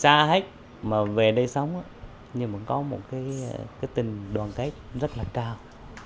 xa hết mà về đây sống nhưng mà có một tình đoàn kết rất là cao